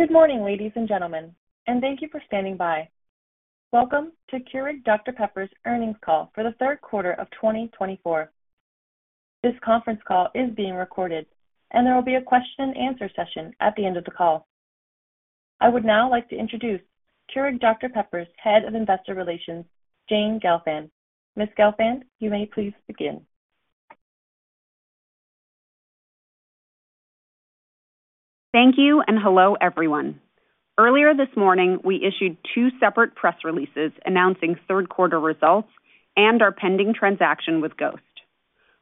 Good morning, ladies and gentlemen, and thank you for standing by. Welcome to Keurig Dr Pepper's earnings call for the third quarter of 2024. This conference call is being recorded, and there will be a question and answer session at the end of the call. I would now like to introduce Keurig Dr Pepper's Head of Investor Relations, Jane Gelfand. Ms. Gelfand, you may please begin. Thank you, and hello, everyone. Earlier this morning, we issued two separate press releases announcing third quarter results and our pending transaction with Ghost.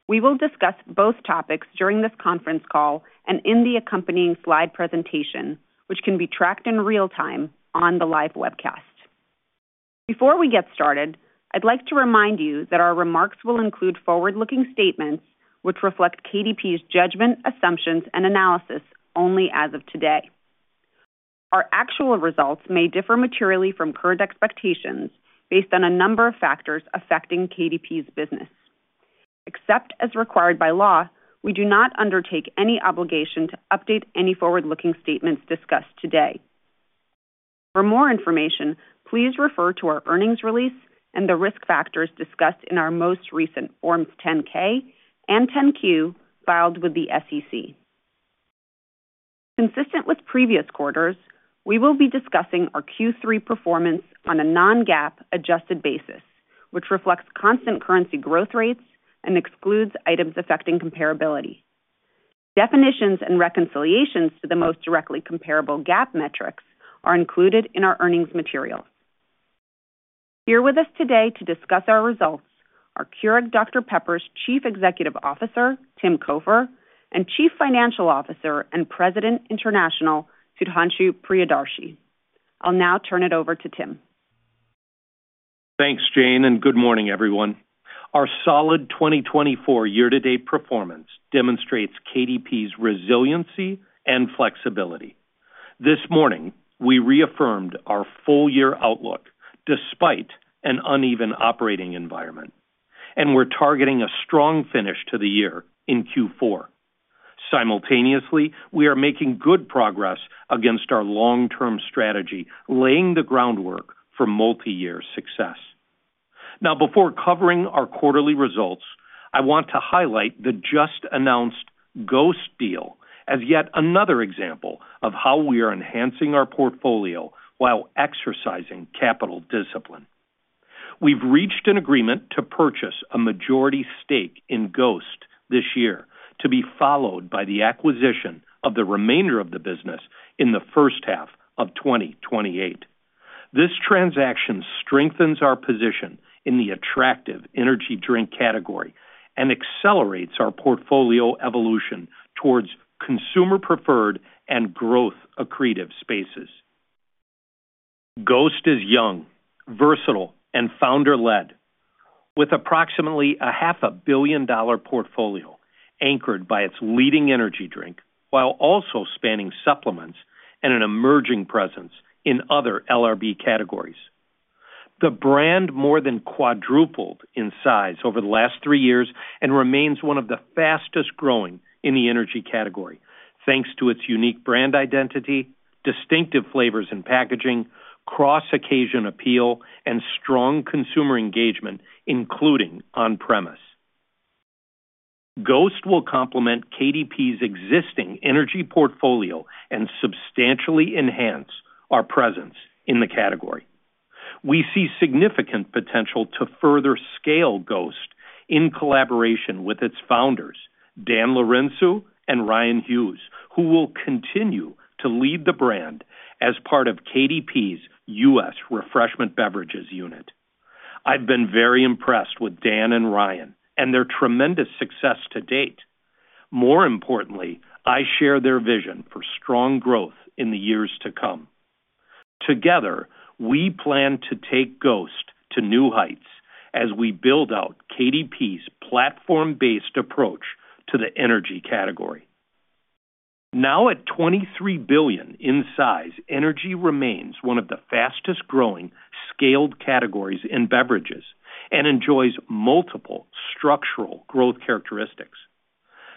We will discuss both topics during this conference call and in the accompanying slide presentation, which can be tracked in real time on the live webcast. Before we get started, I'd like to remind you that our remarks will include forward-looking statements which reflect KDP's judgment, assumptions, and analysis only as of today. Our actual results may differ materially from current expectations based on a number of factors affecting KDP's business. Except as required by law, we do not undertake any obligation to update any forward-looking statements discussed today. For more information, please refer to our earnings release and the risk factors discussed in our most recent Forms 10-K and 10-Q filed with the SEC. Consistent with previous quarters, we will be discussing our Q3 performance on a non-GAAP, adjusted basis, which reflects constant currency growth rates and excludes items affecting comparability. Definitions and reconciliations to the most directly comparable GAAP metrics are included in our earnings material. Here with us today to discuss our results are Keurig Dr Pepper's Chief Executive Officer, Tim Cofer, and Chief Financial Officer and President, International, Sudhanshu Priyadarshi. I'll now turn it over to Tim. Thanks, Jane, and good morning, everyone. Our solid 2024 year-to-date performance demonstrates KDP's resiliency and flexibility. This morning, we reaffirmed our full-year outlook despite an uneven operating environment, and we're targeting a strong finish to the year in Q4. Simultaneously, we are making good progress against our long-term strategy, laying the groundwork for multi-year success. Now, before covering our quarterly results, I want to highlight the just-announced Ghost deal as yet another example of how we are enhancing our portfolio while exercising capital discipline. We've reached an agreement to purchase a majority stake in Ghost this year, to be followed by the acquisition of the remainder of the business in the first half of 2028. This transaction strengthens our position in the attractive energy drink category and accelerates our portfolio evolution towards consumer-preferred and growth-accretive spaces. Ghost is young, versatile, and founder-led, with approximately $500 million portfolio anchored by its leading energy drink, while also spanning supplements and an emerging presence in other LRB categories. The brand more than quadrupled in size over the last three years and remains one of the fastest-growing in the energy category, thanks to its unique brand identity, distinctive flavors and packaging, cross-occasion appeal, and strong consumer engagement, including on-premise. Ghost will complement KDP's existing energy portfolio and substantially enhance our presence in the category. We see significant potential to further scale Ghost in collaboration with its founders, Dan Lourenço and Ryan Hughes, who will continue to lead the brand as part of KDP's U.S. Refreshment Beverages unit. I've been very impressed with Dan and Ryan and their tremendous success to date. More importantly, I share their vision for strong growth in the years to come. Together, we plan to take Ghost to new heights as we build out KDP's platform-based approach to the energy category. Now, at $23 billion in size, energy remains one of the fastest-growing scaled categories in beverages and enjoys multiple structural growth characteristics.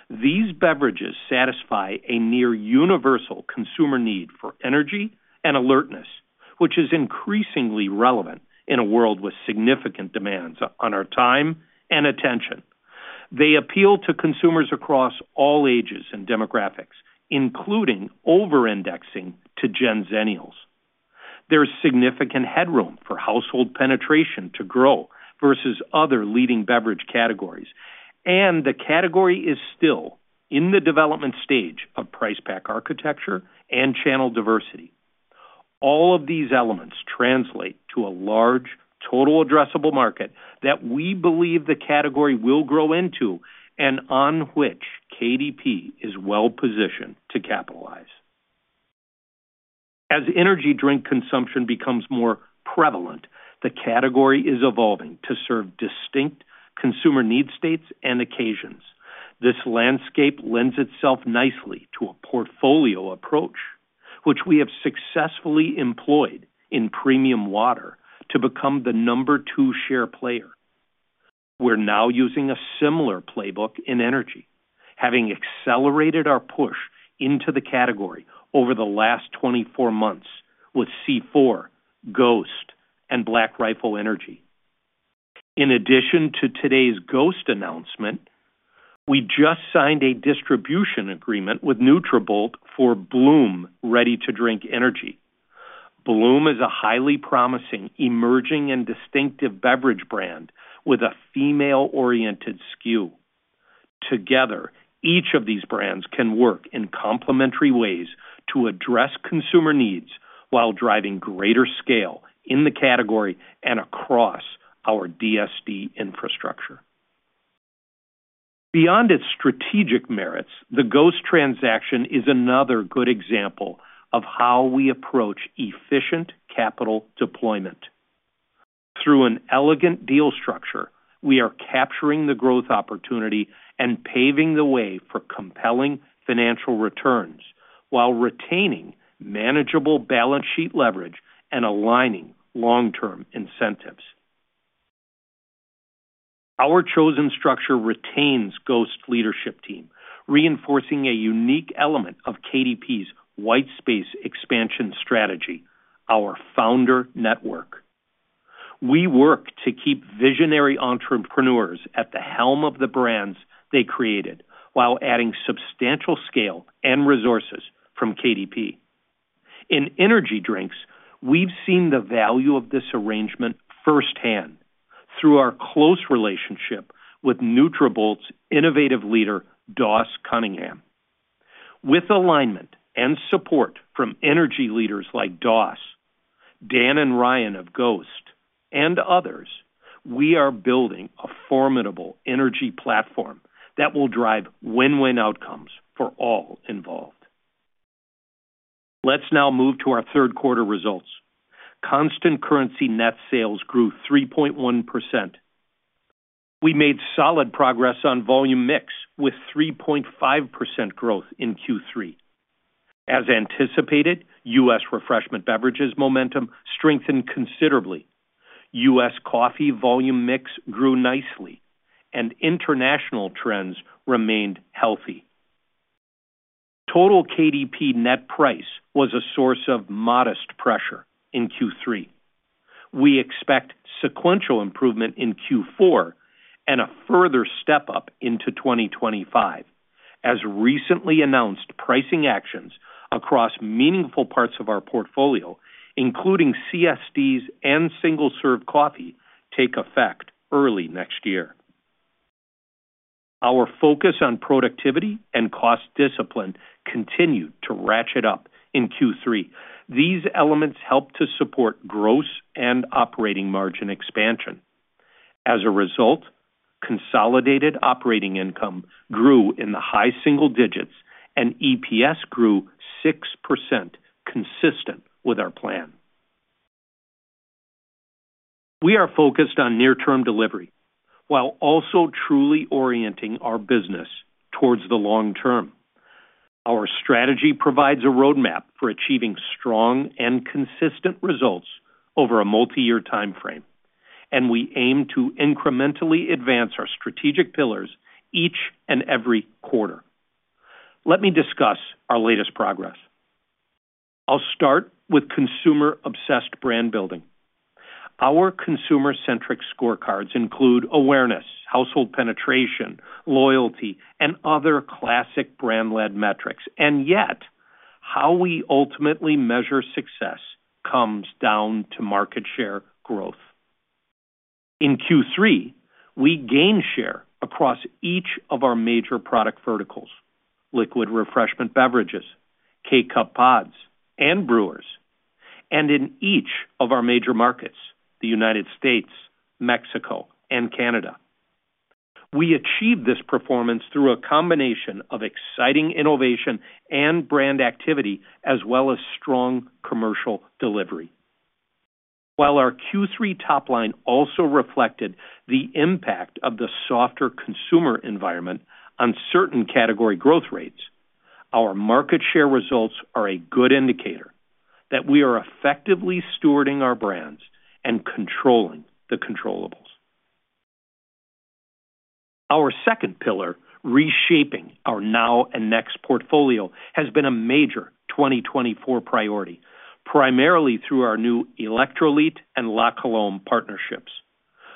These beverages satisfy a near-universal consumer need for energy and alertness, which is increasingly relevant in a world with significant demands on our time and attention. They appeal to consumers across all ages and demographics, including over-indexing to Gen Zennials. There's significant headroom for household penetration to grow versus other leading beverage categories, and the category is still in the development stage of price pack architecture and channel diversity. All of these elements translate to a large, total addressable market that we believe the category will grow into and on which KDP is well-positioned to capitalize. As energy drink consumption becomes more prevalent, the category is evolving to serve distinct consumer need states and occasions. This landscape lends itself nicely to a portfolio approach, which we have successfully employed in premium water to become the number two share player. We're now using a similar playbook in energy, having accelerated our push into the category over the last twenty-four months with C4, Ghost, and Black Rifle Energy. In addition to today's Ghost announcement, we just signed a distribution agreement with Nutrabolt for Bloom Ready-to-Drink Energy. Bloom is a highly promising, emerging, and distinctive beverage brand with a female-oriented SKU. Together, each of these brands can work in complementary ways to address consumer needs while driving greater scale in the category and across our DSD infrastructure. Beyond its strategic merits, the Ghost transaction is another good example of how we approach efficient capital deployment. Through an elegant deal structure, we are capturing the growth opportunity and paving the way for compelling financial returns while retaining manageable balance sheet leverage and aligning long-term incentives. Our chosen structure retains Ghost's leadership team, reinforcing a unique element of KDP's white space expansion strategy, our founder network. We work to keep visionary entrepreneurs at the helm of the brands they created, while adding substantial scale and resources from KDP. In energy drinks, we've seen the value of this arrangement firsthand through our close relationship with Nutrabolt's innovative leader, Doss Cunningham. With alignment and support from energy leaders like Doss, Dan and Ryan of Ghost, and others, we are building a formidable energy platform that will drive win-win outcomes for all involved. Let's now move to our third quarter results. Constant currency net sales grew 3.1%. We made solid progress on volume mix with 3.5% growth in Q3. As anticipated, U.S. refreshment beverages momentum strengthened considerably. U.S. coffee volume mix grew nicely, and international trends remained healthy. Total KDP net price was a source of modest pressure in Q3. We expect sequential improvement in Q4 and a further step-up into 2025. As recently announced, pricing actions across meaningful parts of our portfolio, including CSDs and single-serve coffee, take effect early next year. Our focus on productivity and cost discipline continued to ratchet up in Q3. These elements helped to support gross and operating margin expansion. As a result, consolidated operating income grew in the high single digits and EPS grew 6%, consistent with our plan. We are focused on near-term delivery while also truly orienting our business toward the long term. Our strategy provides a roadmap for achieving strong and consistent results over a multiyear timeframe, and we aim to incrementally advance our strategic pillars each and every quarter. Let me discuss our latest progress. I'll start with consumer-obsessed brand building. Our consumer-centric scorecards include awareness, household penetration, loyalty, and other classic brand-led metrics. And yet, how we ultimately measure success comes down to market share growth. In Q3, we gained share across each of our major product verticals: liquid refreshment beverages, K-Cup pods, and brewers, and in each of our major markets, the United States, Mexico, and Canada. We achieved this performance through a combination of exciting innovation and brand activity, as well as strong commercial delivery. While our Q3 top line also reflected the impact of the softer consumer environment on certain category growth rates, our market share results are a good indicator that we are effectively stewarding our brands and controlling the controllables. Our second pillar, reshaping our now and next portfolio, has been a major 2024 priority, primarily through our new Electrolit and La Colombe partnerships.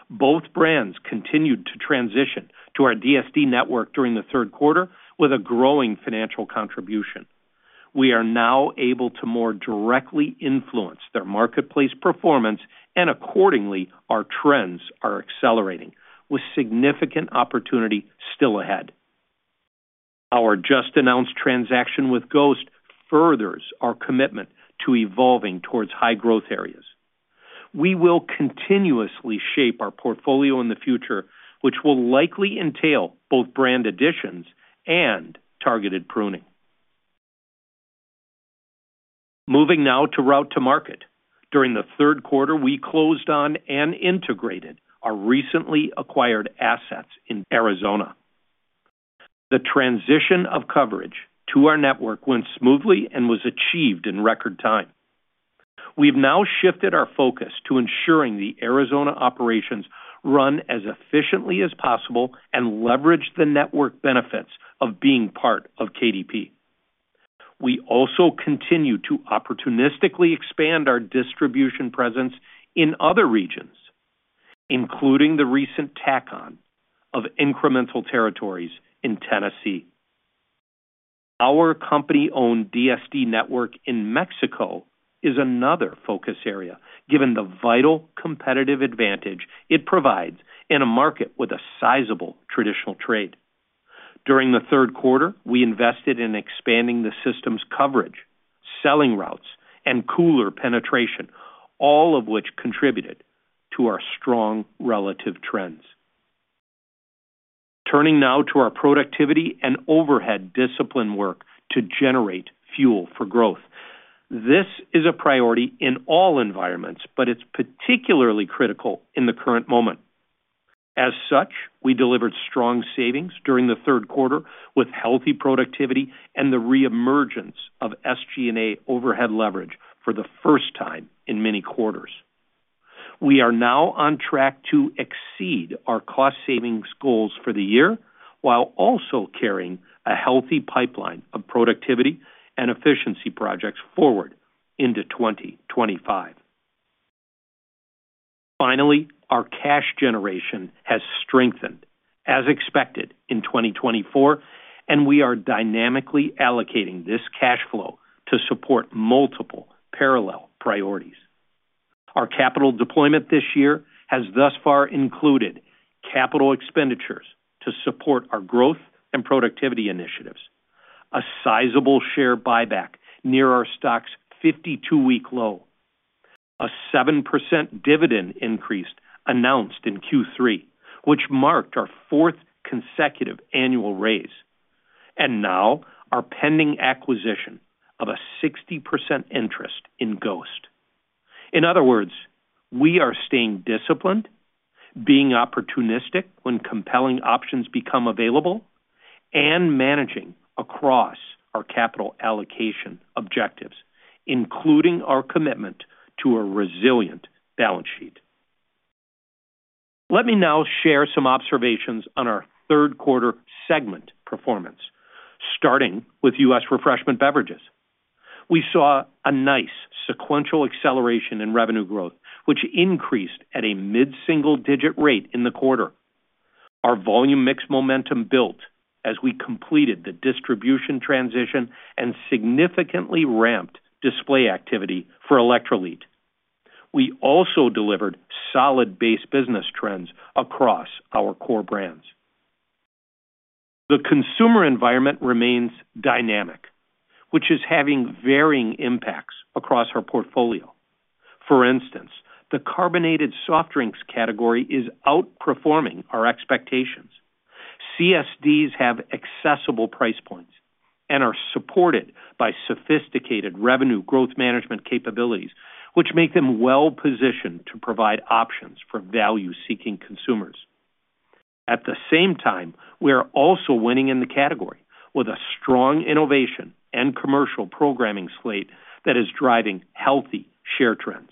Both brands continued to transition to our DSD network during the third quarter with a growing financial contribution. We are now able to more directly influence their marketplace performance, and accordingly, our trends are accelerating with significant opportunity still ahead. Our just-announced transaction with Ghost furthers our commitment to evolving towards high-growth areas. We will continuously shape our portfolio in the future, which will likely entail both brand additions and targeted pruning. Moving now to route to market. During the third quarter, we closed on and integrated our recently acquired assets in Arizona. The transition of coverage to our network went smoothly and was achieved in record time. We've now shifted our focus to ensuring the Arizona operations run as efficiently as possible and leverage the network benefits of being part of KDP. We also continue to opportunistically expand our distribution presence in other regions, including the recent tack on of incremental territories in Tennessee. Our company-owned DSD network in Mexico is another focus area, given the vital competitive advantage it provides in a market with a sizable traditional trade. During the third quarter, we invested in expanding the system's coverage, selling routes, and cooler penetration, all of which contributed to our strong relative trends. Turning now to our productivity and overhead discipline work to generate fuel for growth. This is a priority in all environments, but it's particularly critical in the current moment. As such, we delivered strong savings during the third quarter, with healthy productivity and the reemergence of SG&A overhead leverage for the first time in many quarters. We are now on track to exceed our cost savings goals for the year, while also carrying a healthy pipeline of productivity and efficiency projects forward into twenty twenty-five. Finally, our cash generation has strengthened as expected in 2024, and we are dynamically allocating this cash flow to support multiple parallel priorities. Our capital deployment this year has thus far included capital expenditures to support our growth and productivity initiatives, a sizable share buyback near our stock's fifty-two-week low, a 7% dividend increase announced in Q3, which marked our fourth consecutive annual raise, and now our pending acquisition of a 60% interest in Ghost. In other words, we are staying disciplined, being opportunistic when compelling options become available, and managing across our capital allocation objectives, including our commitment to a resilient balance sheet. Let me now share some observations on our third quarter segment performance, starting with U.S. Refreshment Beverages. We saw a nice sequential acceleration in revenue growth, which increased at a mid-single-digit rate in the quarter. Our volume mix momentum built as we completed the distribution transition and significantly ramped display activity for Electrolit. We also delivered solid base business trends across our core brands. The consumer environment remains dynamic, which is having varying impacts across our portfolio. For instance, the carbonated soft drinks category is outperforming our expectations. CSDs have accessible price points and are supported by sophisticated revenue growth management capabilities, which make them well-positioned to provide options for value-seeking consumers. At the same time, we are also winning in the category with a strong innovation and commercial programming slate that is driving healthy share trends.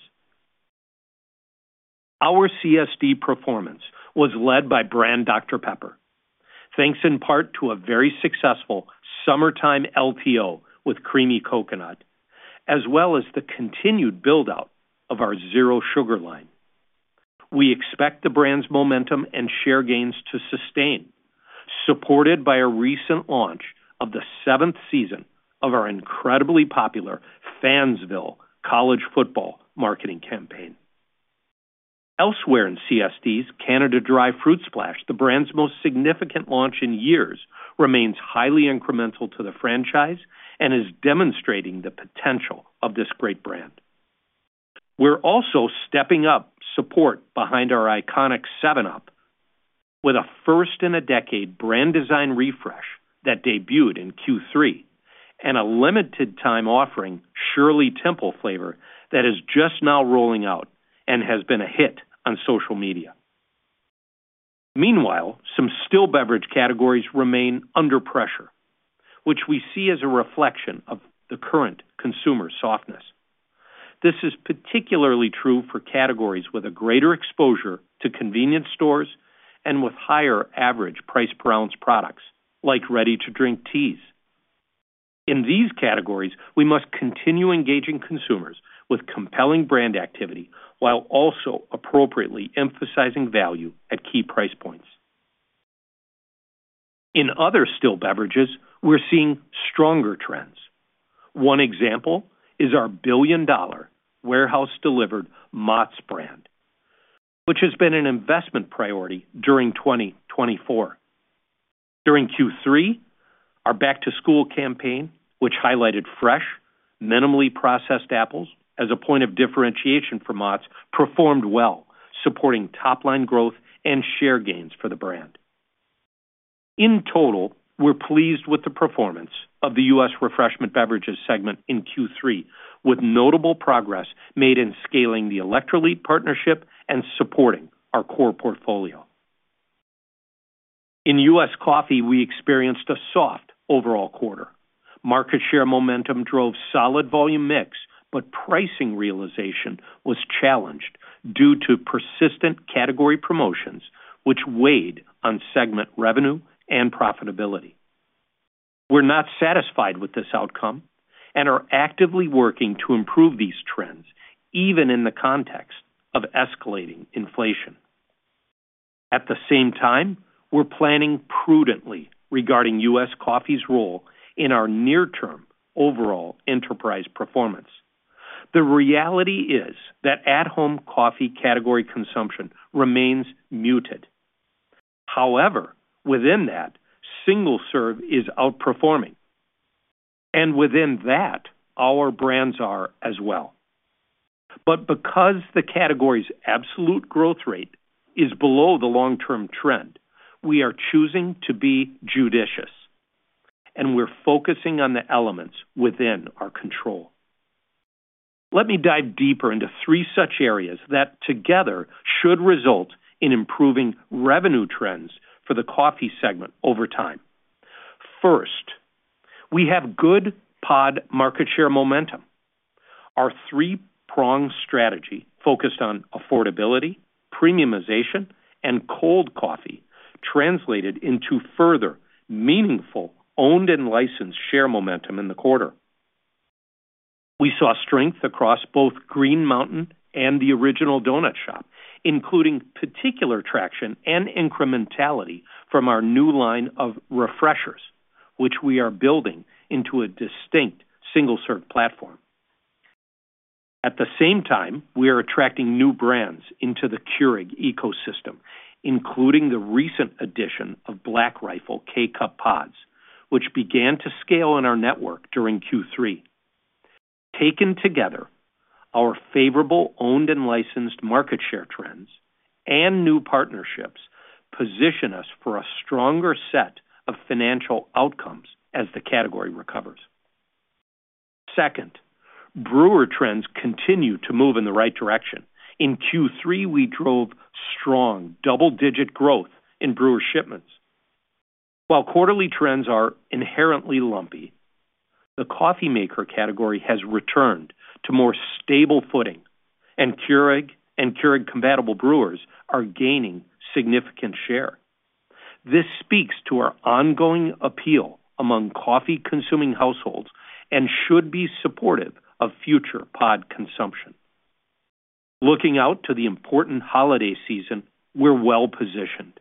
Our CSD performance was led by brand Dr Pepper, thanks in part to a very successful summertime LTO with Creamy Coconut, as well as the continued build-out of our zero sugar line. We expect the brand's momentum and share gains to sustain, supported by a recent launch of the seventh season of our incredibly popular Fansville college football marketing campaign. Elsewhere in CSD, Canada Dry Fruit Splash, the brand's most significant launch in years, remains highly incremental to the franchise and is demonstrating the potential of this great brand. We're also stepping up support behind our iconic 7UP with a first-in-a-decade brand design refresh that debuted in Q3 and a limited time offering, Shirley Temple flavor, that is just now rolling out and has been a hit on social media. Meanwhile, some still beverage categories remain under pressure, which we see as a reflection of the current consumer softness. This is particularly true for categories with a greater exposure to convenience stores and with higher average price per ounce products, like ready-to-drink teas. In these categories, we must continue engaging consumers with compelling brand activity, while also appropriately emphasizing value at key price points. In other still beverages, we're seeing stronger trends. One example is our billion-dollar warehouse-delivered Mott's brand, which has been an investment priority during 2024. During Q3, our back-to-school campaign, which highlighted fresh, minimally processed apples as a point of differentiation for Mott's, performed well, supporting top-line growth and share gains for the brand. In total, we're pleased with the performance of the U.S. Refreshment Beverages segment in Q3, with notable progress made in scaling the Electrolit partnership and supporting our core portfolio. In U.S. Coffee, we experienced a soft overall quarter. Market share momentum drove solid volume mix, but pricing realization was challenged due to persistent category promotions, which weighed on segment revenue and profitability. We're not satisfied with this outcome and are actively working to improve these trends, even in the context of escalating inflation. At the same time, we're planning prudently regarding U.S. Coffee's role in our near-term overall enterprise performance. The reality is that at-home coffee category consumption remains muted. However, within that, single-serve is outperforming, and within that, our brands are as well. But because the category's absolute growth rate is below the long-term trend, we are choosing to be judicious, and we're focusing on the elements within our control. Let me dive deeper into three such areas that together should result in improving revenue trends for the coffee segment over time. First, we have good pod market share momentum. Our three-pronged strategy, focused on affordability, premiumization, and cold coffee, translated into further meaningful owned and licensed share momentum in the quarter. We saw strength across both Green Mountain and The Original Donut Shop, including particular traction and incrementality from our new line of refreshers, which we are building into a distinct single-serve platform. At the same time, we are attracting new brands into the Keurig ecosystem, including the recent addition of Black Rifle K-Cup pods, which began to scale in our network during Q3. Taken together, our favorable owned and licensed market share trends and new partnerships position us for a stronger set of financial outcomes as the category recovers. Second, brewer trends continue to move in the right direction. In Q3, we drove strong double-digit growth in brewer shipments. While quarterly trends are inherently lumpy, the coffee maker category has returned to more stable footing, and Keurig and Keurig compatible brewers are gaining significant share. This speaks to our ongoing appeal among coffee-consuming households and should be supportive of future pod consumption. Looking out to the important holiday season, we're well-positioned,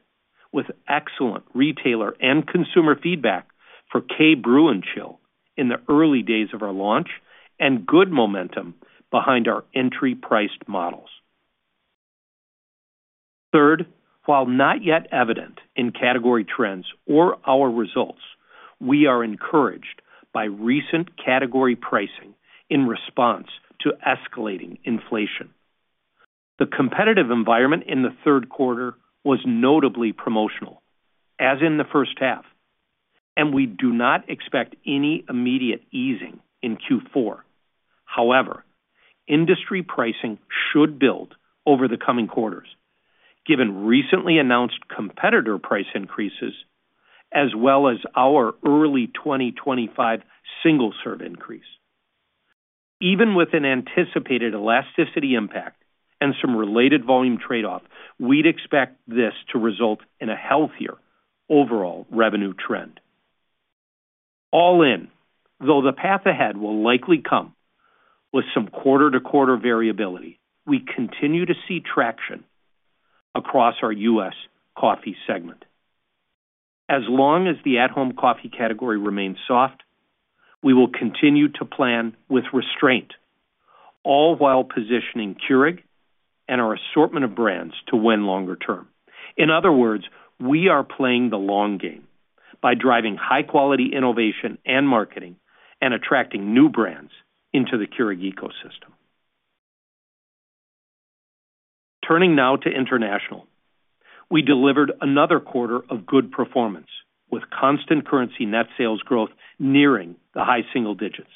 with excellent retailer and consumer feedback for K-Brew + Chill in the early days of our launch and good momentum behind our entry-priced models. Third, while not yet evident in category trends or our results, we are encouraged by recent category pricing in response to escalating inflation. The competitive environment in the third quarter was notably promotional, as in the first half, and we do not expect any immediate easing in Q4. However, industry pricing should build over the coming quarters, given recently announced competitor price increases, as well as our early twenty twenty-five single-serve increase. Even with an anticipated elasticity impact and some related volume trade-off, we'd expect this to result in a healthier overall revenue trend. All in, though the path ahead will likely come with some quarter-to-quarter variability, we continue to see traction across our U.S. Coffee segment. As long as the at-home coffee category remains soft, we will continue to plan with restraint, all while positioning Keurig and our assortment of brands to win longer term. In other words, we are playing the long game by driving high-quality innovation and marketing and attracting new brands into the Keurig ecosystem. Turning now to international, we delivered another quarter of good performance, with constant currency net sales growth nearing the high single digits.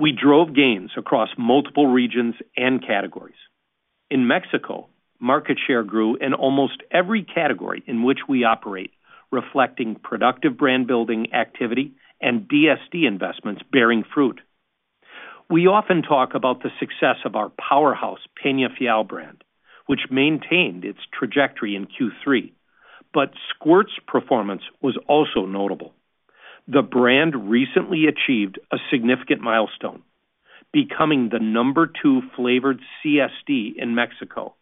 We drove gains across multiple regions and categories. In Mexico, market share grew in almost every category in which we operate, reflecting productive brand building activity and DSD investments bearing fruit. We often talk about the success of our powerhouse Peñafiel brand, which maintained its trajectory in Q3, but Squirt's performance was also notable. The brand recently achieved a significant milestone, becoming the number two flavored CSD in Mexico,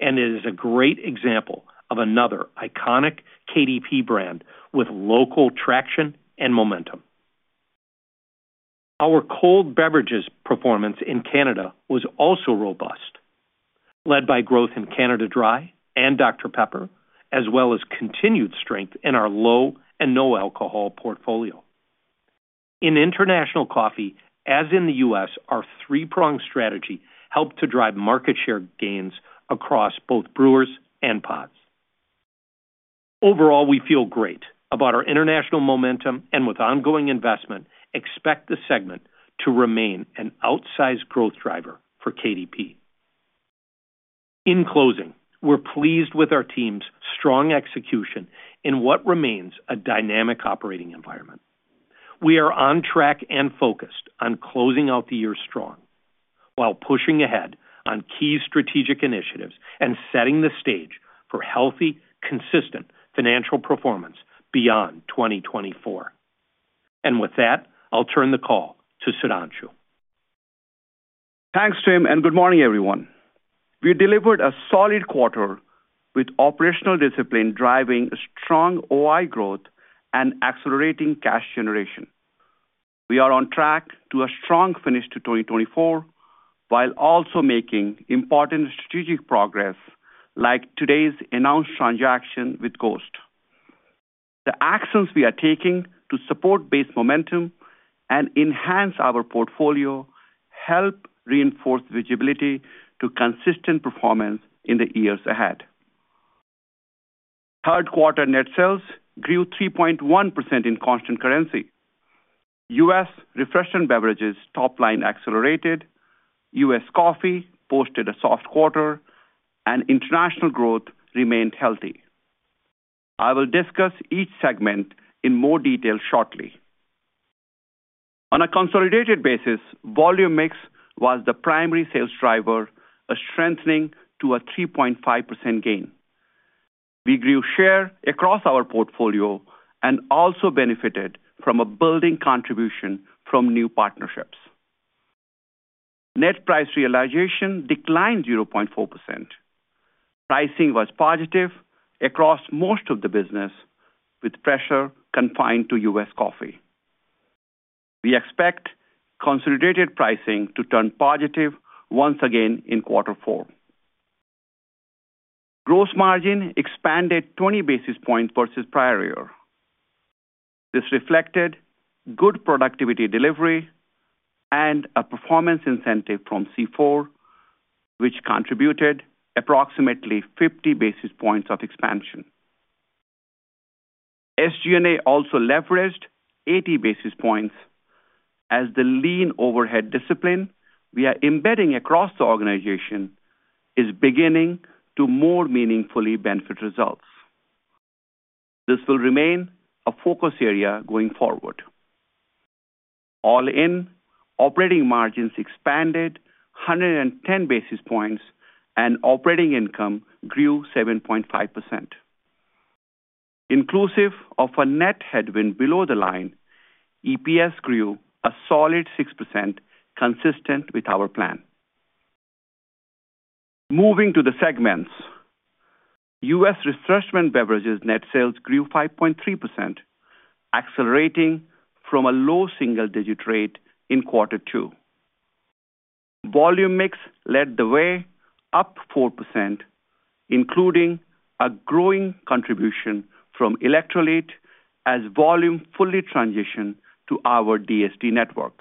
and it is a great example of another iconic KDP brand with local traction and momentum. Our cold beverages performance in Canada was also robust, led by growth in Canada Dry and Dr Pepper, as well as continued strength in our low and no-alcohol portfolio. In international coffee, as in the U.S., our three-pronged strategy helped to drive market share gains across both brewers and pods. Overall, we feel great about our international momentum and with ongoing investment, expect the segment to remain an outsized growth driver for KDP.... In closing, we're pleased with our team's strong execution in what remains a dynamic operating environment. We are on track and focused on closing out the year strong, while pushing ahead on key strategic initiatives and setting the stage for healthy, consistent financial performance beyond2024. And with that, I'll turn the call to Sudhanshu. Thanks, Tim, and good morning, everyone. We delivered a solid quarter with operational discipline, driving strong OI growth and accelerating cash generation. We are on track to a strong finish to 2024, while also making important strategic progress, like today's announced transaction with Ghost. The actions we are taking to support base momentum and enhance our portfolio help reinforce visibility to consistent performance in the years ahead. Third quarter net sales grew 3.1% in constant currency. U.S. Refreshment Beverages top line accelerated, U.S. Coffee posted a soft quarter, and international growth remained healthy. I will discuss each segment in more detail shortly. On a consolidated basis, volume mix was the primary sales driver, a strengthening to a 3.5% gain. We grew share across our portfolio and also benefited from a building contribution from new partnerships. Net price realization declined 0.4%. Pricing was positive across most of the business, with pressure confined to U.S. Coffee. We expect consolidated pricing to turn positive once again in quarter four. Gross margin expanded twenty basis points versus prior year. This reflected good productivity delivery and a performance incentive from C4, which contributed approximately fifty basis points of expansion. SG&A also leveraged eighty basis points as the lean overhead discipline we are embedding across the organization is beginning to more meaningfully benefit results. This will remain a focus area going forward. All in, operating margins expanded one hundred and ten basis points, and operating income grew 7.5%. Inclusive of a net headwind below the line, EPS grew a solid 6%, consistent with our plan. Moving to the segments. U.S. Refreshment Beverages net sales grew 5.3%, accelerating from a low single-digit rate in quarter two. Volume mix led the way up 4%, including a growing contribution from Electrolit as volume fully transitioned to our DSD network.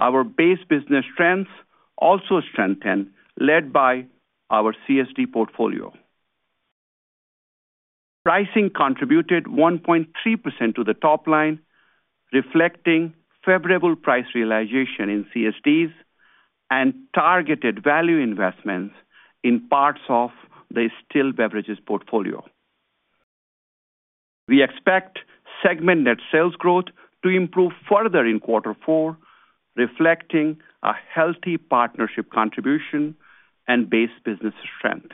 Our base business strengths also strengthened, led by our CSD portfolio. Pricing contributed 1.3% to the top line, reflecting favorable price realization in CSDs and targeted value investments in parts of the still beverages portfolio. We expect segment net sales growth to improve further in quarter four, reflecting a healthy partnership contribution and base business strength.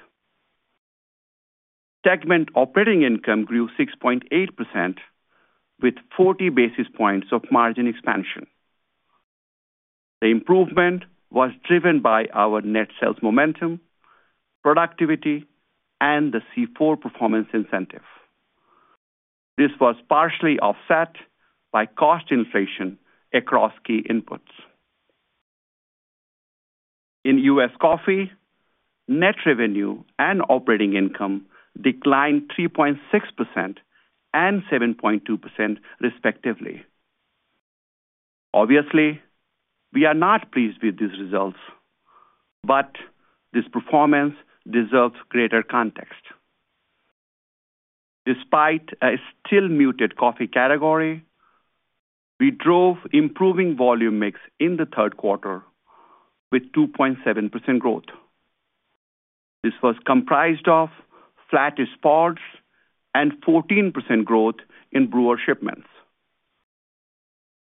Segment operating income grew 6.8%, with forty basis points of margin expansion. The improvement was driven by our net sales momentum, productivity, and the C4 performance incentive. This was partially offset by cost inflation across key inputs. In U.S. Coffee, net revenue and operating income declined 3.6% and 7.2%, respectively. Obviously, we are not pleased with these results, but this performance deserves greater context. Despite a still muted coffee category, we drove improving volume mix in the third quarter with 2.7% growth. This was comprised of flattish pods and 14% growth in brewer shipments.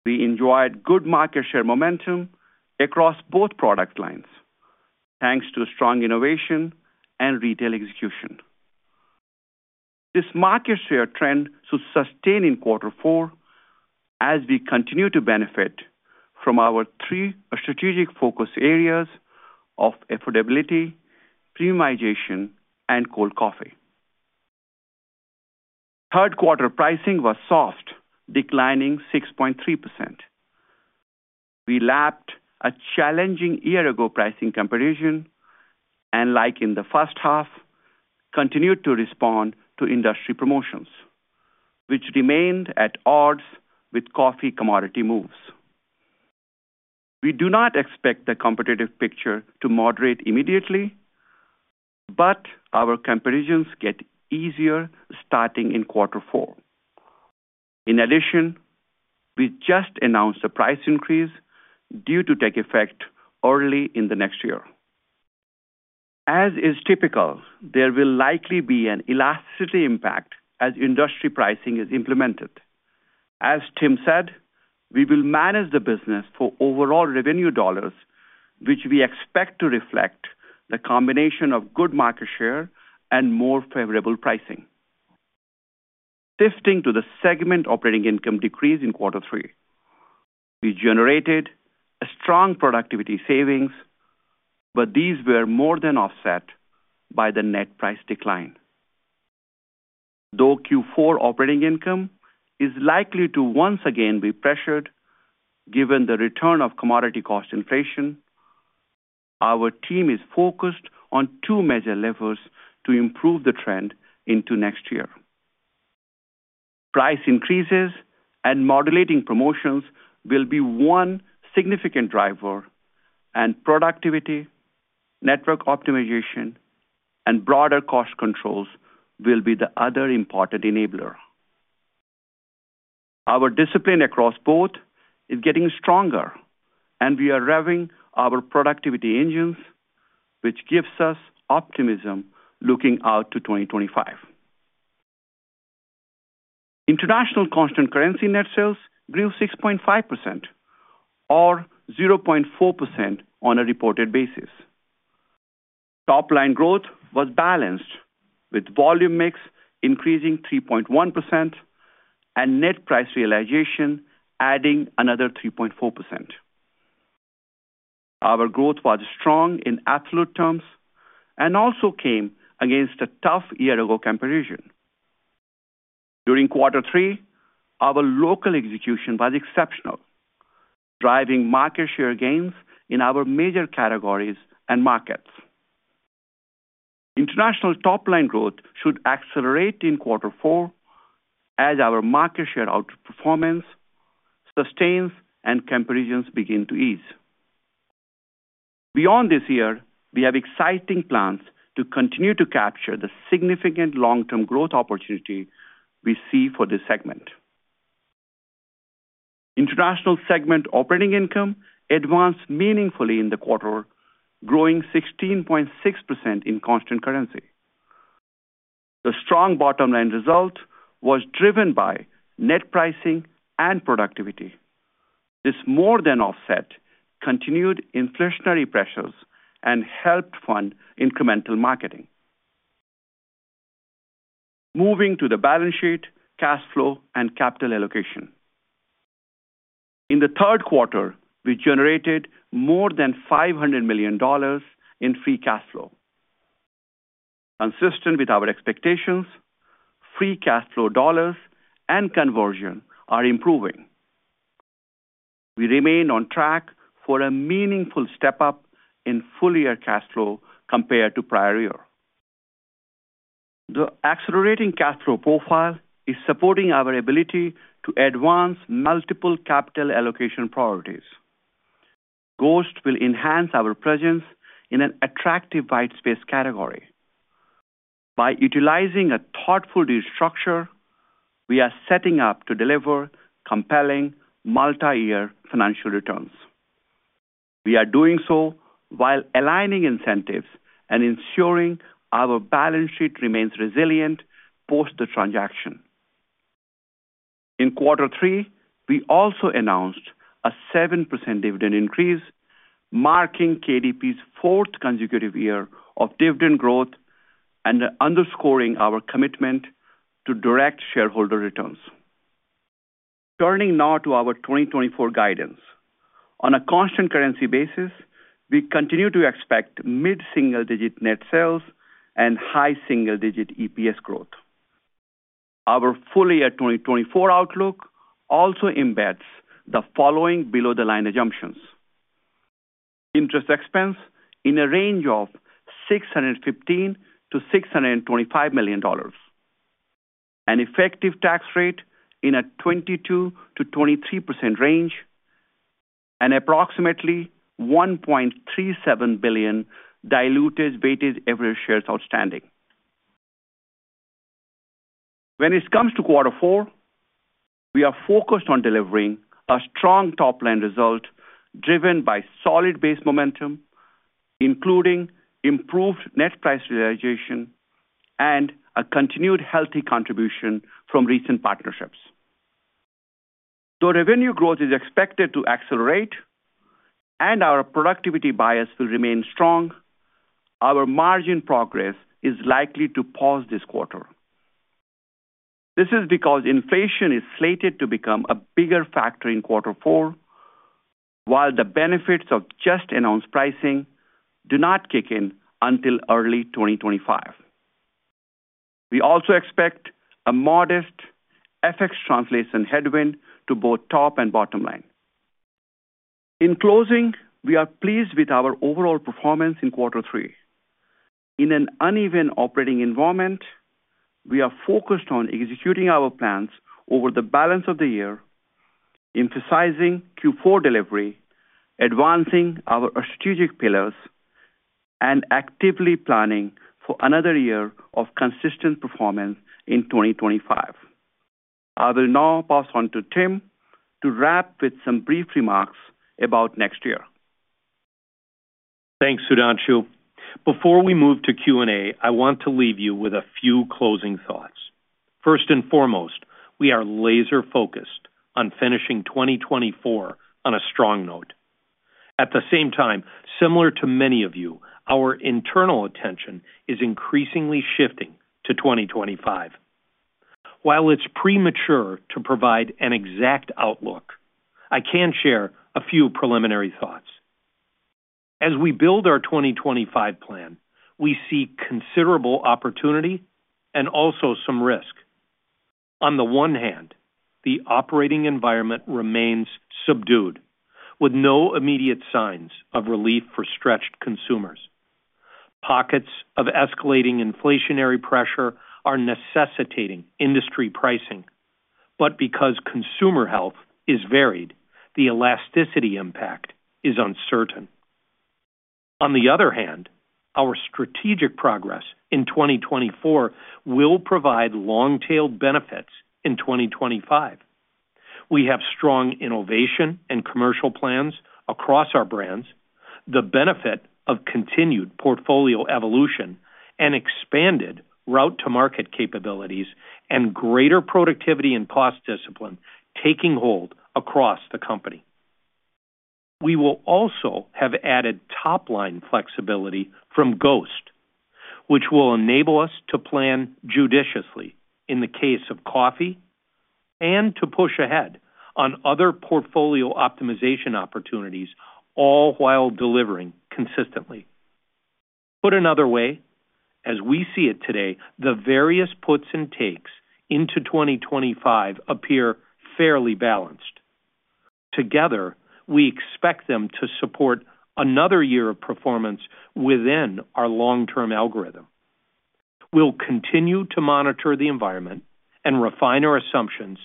We enjoyed good market share momentum across both product lines, thanks to strong innovation and retail execution. This market share trend should sustain in quarter four as we continue to benefit from our three strategic focus areas of affordability, premiumization, and cold coffee. Third quarter pricing was soft, declining 6.3%. We lapped a challenging year ago pricing comparison, and, like in the first half, continued to respond to industry promotions, which remained at odds with coffee commodity moves. We do not expect the competitive picture to moderate immediately, but our comparisons get easier starting in quarter four... In addition, we just announced a price increase due to take effect early in the next year. As is typical, there will likely be an elasticity impact as industry pricing is implemented. As Tim said, we will manage the business for overall revenue dollars, which we expect to reflect the combination of good market share and more favorable pricing. Shifting to the segment operating income decrease in quarter three. We generated a strong productivity savings, but these were more than offset by the net price decline. Though Q4 operating income is likely to once again be pressured, given the return of commodity cost inflation, our team is focused on two major levers to improve the trend into next year. Price increases and modulating promotions will be one significant driver, and productivity, network optimization, and broader cost controls will be the other important enabler. Our discipline across both is getting stronger, and we are revving our productivity engines, which gives us optimism looking out to 2025. International constant currency net sales grew 6.5%, or 0.4% on a reported basis. Top-line growth was balanced, with volume mix increasing 3.1% and net price realization adding another 3.4%. Our growth was strong in absolute terms and also came against a tough year-ago comparison. During quarter three, our local execution was exceptional, driving market share gains in our major categories and markets. International top-line growth should accelerate in quarter four as our market share outperformance sustains and comparisons begin to ease. Beyond this year, we have exciting plans to continue to capture the significant long-term growth opportunity we see for this segment. International segment operating income advanced meaningfully in the quarter, growing 16.6% in constant currency. The strong bottom-line result was driven by net pricing and productivity. This more than offset continued inflationary pressures and helped fund incremental marketing. Moving to the balance sheet, cash flow, and capital allocation. In the third quarter, we generated more than $500 million in free cash flow. Consistent with our expectations, free cash flow dollars and conversion are improving. We remain on track for a meaningful step-up in full-year cash flow compared to prior year. The accelerating cash flow profile is supporting our ability to advance multiple capital allocation priorities. Ghost will enhance our presence in an attractive white space category. By utilizing a thoughtful deal structure, we are setting up to deliver compelling multi-year financial returns. We are doing so while aligning incentives and ensuring our balance sheet remains resilient post the transaction. In quarter three, we also announced a 7% dividend increase, marking KDP's fourth consecutive year of dividend growth and underscoring our commitment to direct shareholder returns. Turning now to our twenty twenty-four guidance. On a constant currency basis, we continue to expect mid-single-digit net sales and high single-digit EPS growth. Our full year twenty twenty-four outlook also embeds the following below-the-line assumptions: interest expense in a range of $615 million-$625 million, an effective tax rate in a 22%-23% range, and approximately 1.37 billion diluted weighted average shares outstanding. When it comes to quarter four, we are focused on delivering a strong top-line result, driven by solid base momentum, including improved net price realization and a continued healthy contribution from recent partnerships. Though revenue growth is expected to accelerate and our productivity bias will remain strong, our margin progress is likely to pause this quarter. This is because inflation is slated to become a bigger factor in quarter four, while the benefits of just announced pricing do not kick in until early 2025. We also expect a modest FX translation headwind to both top and bottom line. In closing, we are pleased with our overall performance in quarter three. In an uneven operating environment, we are focused on executing our plans over the balance of the year, emphasizing Q4 delivery, advancing our strategic pillars and actively planning for another year of consistent performance in 2025. I will now pass on to Tim to wrap with some brief remarks about next year. Thanks, Sudhanshu. Before we move to Q&A, I want to leave you with a few closing thoughts. First and foremost, we are laser focused on finishing 2024 on a strong note. At the same time, similar to many of you, our internal attention is increasingly shifting to 2025. While it's premature to provide an exact outlook, I can share a few preliminary thoughts. As we build our 2025 plan, we see considerable opportunity and also some risk. On the one hand, the operating environment remains subdued, with no immediate signs of relief for stretched consumers. Pockets of escalating inflationary pressure are necessitating industry pricing, but because consumer health is varied, the elasticity impact is uncertain. On the other hand, our strategic progress in 2024 will provide long-tailed benefits in 2025. We have strong innovation and commercial plans across our brands, the benefit of continued portfolio evolution and expanded route to market capabilities, and greater productivity and cost discipline taking hold across the company. We will also have added top-line flexibility from Ghost, which will enable us to plan judiciously in the case of coffee and to push ahead on other portfolio optimization opportunities, all while delivering consistently. Put another way, as we see it today, the various puts and takes into 2025 appear fairly balanced. Together, we expect them to support another year of performance within our long-term algorithm. We'll continue to monitor the environment and refine our assumptions,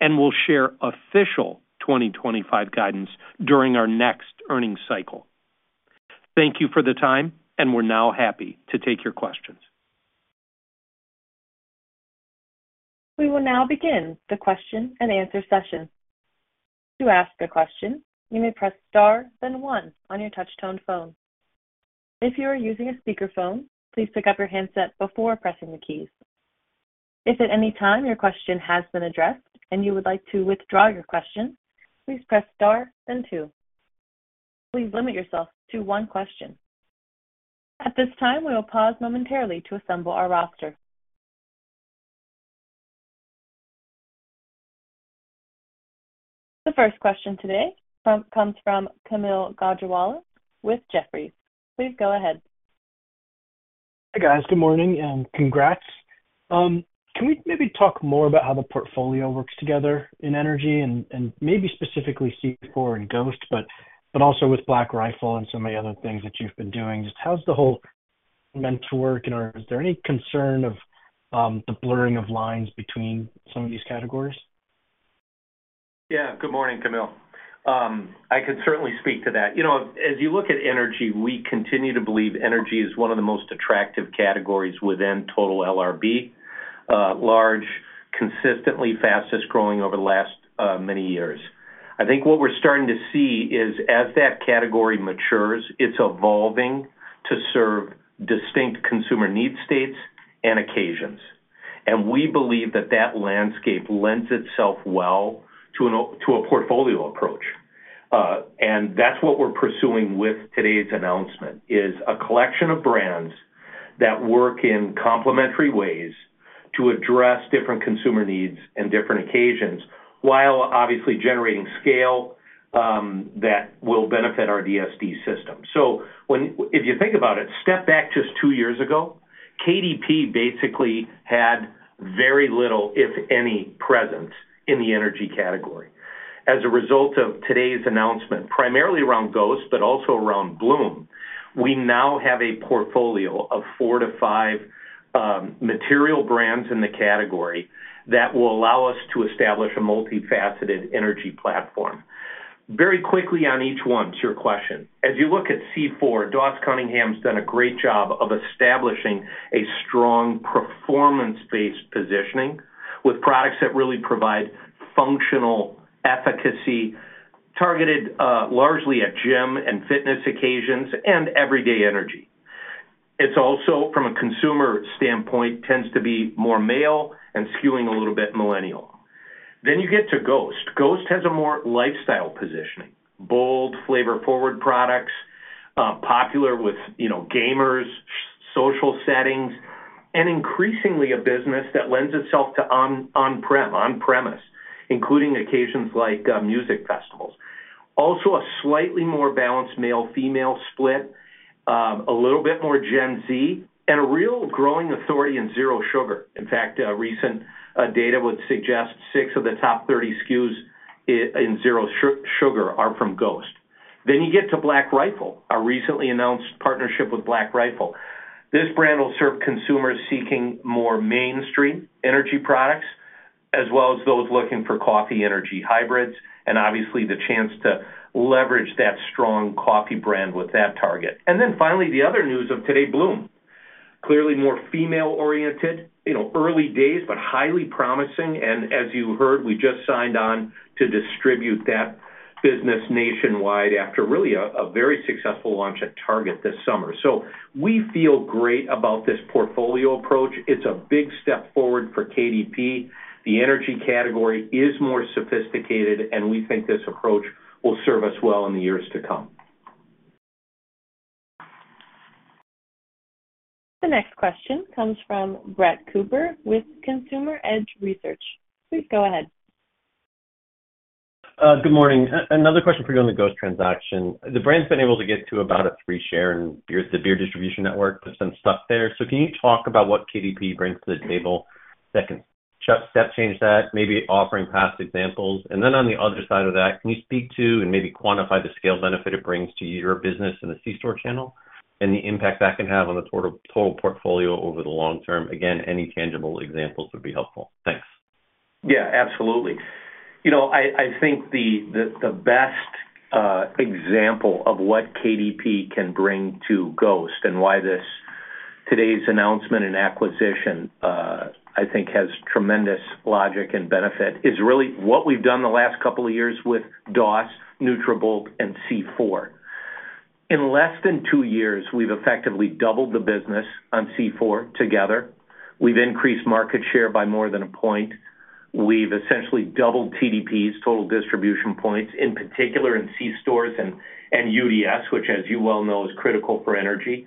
and we'll share official 2025 guidance during our next earnings cycle. Thank you for the time, and we're now happy to take your questions. We will now begin the question-and-answer session. To ask a question, you may press Star, then one on your touchtone phone. If you are using a speakerphone, please pick up your handset before pressing the keys. If at any time your question has been addressed and you would like to withdraw your question, please press Star then two. Please limit yourself to one question. At this time, we will pause momentarily to assemble our roster. The first question today comes from Kaumil Gajrawala with Jefferies. Please go ahead. Hi, guys. Good morning and congrats. Can we maybe talk more about how the portfolio works together in energy and maybe specifically C4 and Ghost, but also with Black Rifle and some of the other things that you've been doing? Just how's the whole meant to work? Is there any concern of the blurring of lines between some of these categories? Yeah, good morning, Kaumil. I could certainly speak to that. You know, as you look at energy, we continue to believe energy is one of the most attractive categories within total LRB, large, consistently fastest growing over the last many years. I think what we're starting to see is as that category matures, it's evolving to serve distinct consumer need states and occasions. And we believe that that landscape lends itself well to a portfolio approach. And that's what we're pursuing with today's announcement, is a collection of brands that work in complementary ways to address different consumer needs and different occasions, while obviously generating scale that will benefit our DSD system. So if you think about it, step back just two years ago, KDP basically had very little, if any, presence in the energy category. As a result of today's announcement, primarily around Ghost, but also around Bloom, we now have a portfolio of four to five, material brands in the category that will allow us to establish a multifaceted energy platform. Very quickly on each one, to your question, as you look at C4, Doss Cunningham's done a great job of establishing a strong performance-based positioning with products that really provide functional efficacy, targeted largely at gym and fitness occasions and everyday energy. It's also, from a consumer standpoint, tends to be more male and skewing a little bit millennial. Then you get to Ghost. Ghost has a more lifestyle positioning, bold, flavor-forward products, popular with, you know, gamers, social settings, and increasingly a business that lends itself to on-premise, including occasions like music festivals. Also, a slightly more balanced male/female split, a little bit more Gen Z, and a real growing authority in zero sugar. In fact, recent data would suggest six of the top thirty SKUs in zero sugar are from Ghost. Then you get to Black Rifle, our recently announced partnership with Black Rifle. This brand will serve consumers seeking more mainstream energy products, as well as those looking for coffee energy hybrids and obviously the chance to leverage that strong coffee brand with that target. And then finally, the other news of today, Bloom. Clearly more female-oriented, you know, early days, but highly promising, and as you heard, we just signed on to distribute that business nationwide after really a very successful launch at Target this summer. So we feel great about this portfolio approach. It's a big step forward for KDP. The energy category is more sophisticated, and we think this approach will serve us well in the years to come. The next question comes from Brett Cooper with Consumer Edge Research. Please go ahead. Good morning. Another question for you on the Ghost transaction. The brand's been able to get to about a 3% share in the beer distribution network, but it's stuck there. So can you talk about what KDP brings to the table that can step change that, maybe offering past examples? And then on the other side of that, can you speak to and maybe quantify the scale benefit it brings to your business in the C store channel and the impact that can have on the total portfolio over the long term? Again, any tangible examples would be helpful. Thanks. Yeah, absolutely. You know, I think the best example of what KDP can bring to Ghost and why this today's announcement and acquisition I think has tremendous logic and benefit is really what we've done the last couple of years with Nutrabolt and C4. In less than two years, we've effectively doubled the business on C4 together. We've increased market share by more than a point. We've essentially doubled TDPs, total distribution points, in particular in C-stores and UDS, which as you well know is critical for energy.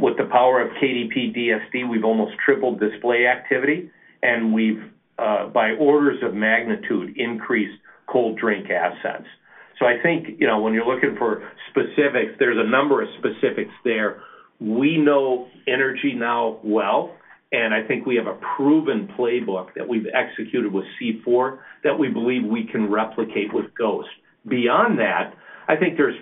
With the power of KDP DSD, we've almost tripled display activity, and we've by orders of magnitude increased cold drink assets. So I think, you know, when you're looking for specifics, there's a number of specifics there. We know energy now well, and I think we have a proven playbook that we've executed with C4 that we believe we can replicate with Ghost. Beyond that, I think there's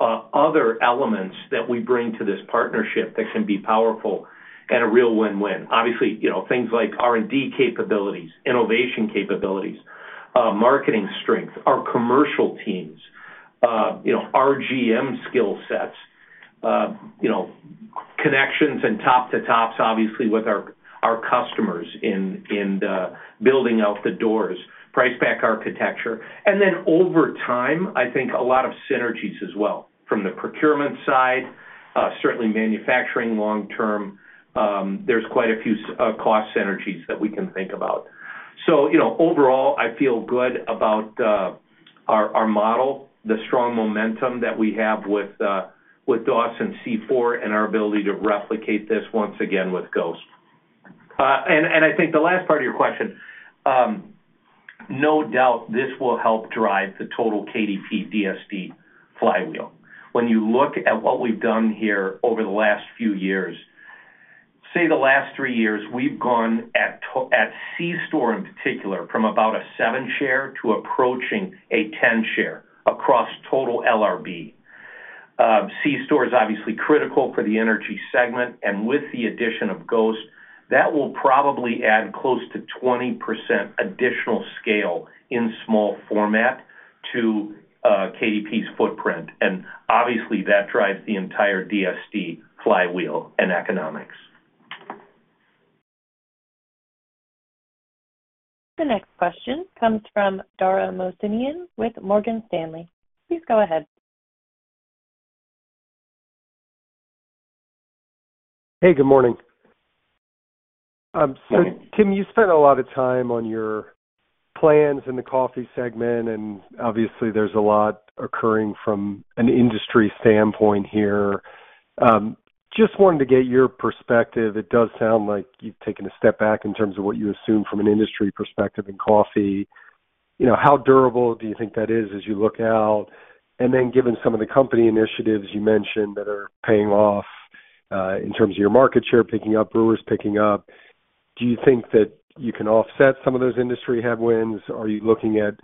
other elements that we bring to this partnership that can be powerful and a real win-win. Obviously, you know, things like R&D capabilities, innovation capabilities, marketing strength, our commercial teams, you know, RGM skill sets, you know, connections and top to tops, obviously, with our, our customers in, in the building out the doors, price pack architecture. And then over time, I think a lot of synergies as well. From the procurement side, certainly manufacturing long term, there's quite a few cost synergies that we can think about. So, you know, overall, I feel good about our model, the strong momentum that we have with DSD and C4, and our ability to replicate this once again with Ghost. And I think the last part of your question, no doubt this will help drive the total KDP DSD flywheel. When you look at what we've done here over the last few years, say the last three years, we've gone at C store, in particular, from about a seven share to approaching a 10 share across total LRB. C store is obviously critical for the energy segment, and with the addition of Ghost, that will probably add close to 20% additional scale in small format to KDP's footprint. And obviously, that drives the entire DSD flywheel and economics. The next question comes from Dara Mohsenian with Morgan Stanley. Please go ahead. Hey, good morning. So Tim, you spent a lot of time on your plans in the coffee segment, and obviously, there's a lot occurring from an industry standpoint here. Just wanted to get your perspective. It does sound like you've taken a step back in terms of what you assume from an industry perspective in coffee. You know, how durable do you think that is as you look out? And then given some of the company initiatives you mentioned that are paying off, in terms of your market share picking up, brewers picking up, do you think that you can offset some of those industry headwinds? Are you looking at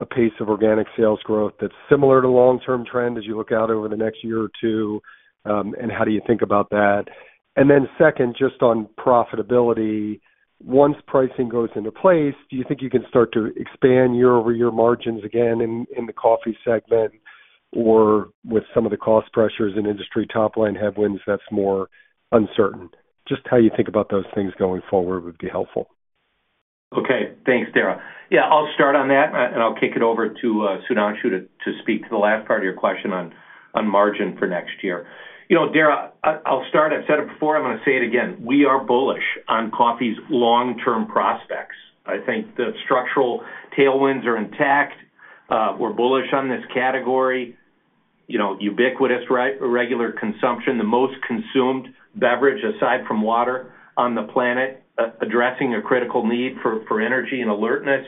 a pace of organic sales growth that's similar to long-term trend as you look out over the next year or two? And how do you think about that? And then second, just on profitability, once pricing goes into place, do you think you can start to expand year-over-year margins again in the coffee segment, or with some of the cost pressures and industry top-line headwinds, that's more uncertain? Just how you think about those things going forward would be helpful. Okay. Thanks, Dara. Yeah, I'll start on that, and I'll kick it over to Sudhanshu to speak to the last part of your question on margin for next year. You know, Dara, I'll start. I've said it before, I'm gonna say it again: We are bullish on coffee's long-term prospects. I think the structural tailwinds are intact. We're bullish on this category, you know, ubiquitous regular consumption, the most consumed beverage, aside from water, on the planet, addressing a critical need for energy and alertness.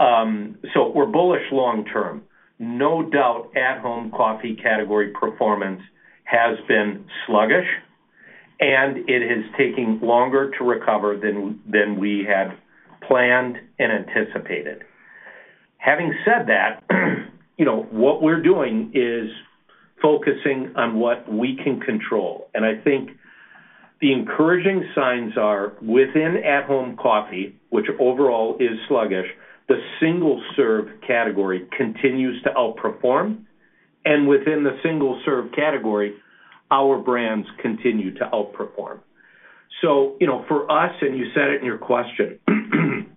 So we're bullish long term. No doubt, at-home coffee category performance has been sluggish, and it is taking longer to recover than we had planned and anticipated. Having said that, you know, what we're doing is focusing on what we can control. And I think the encouraging signs are within at-home coffee, which overall is sluggish. The single-serve category continues to outperform, and within the single-serve category, our brands continue to outperform. So, you know, for us, and you said it in your question,